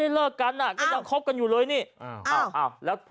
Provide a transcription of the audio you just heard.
ได้อัพเนียม